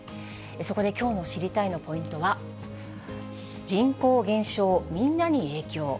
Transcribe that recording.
そこできょうの知りたいッ！のポイントは、人口減少、みんなに影響。